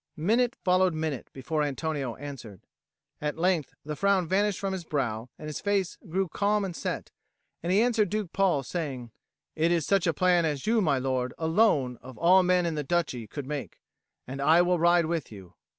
Minute followed minute before Antonio answered. At length the frown vanished from his brow, and his face grew calm and set, and he answered Duke Paul, saying, "It is such a plan as you, my lord, alone of all men in the Duchy could make; and I will ride with you."